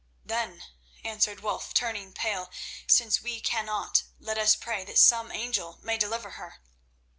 "Then," answered Wulf, turning pale, "since we cannot, let us pray that some angel may deliver her."